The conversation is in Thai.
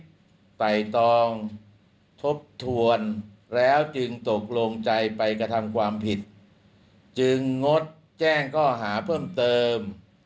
ไต่ตองทบทวนแล้วจึงตกลงใจไปกระทำความผิดจึงงดแจ้งข้อหาเพิ่มเติม